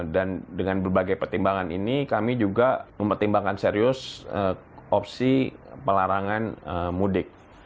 dan dengan berbagai pertimbangan ini kami juga mempertimbangkan serius opsi pelarangan mudik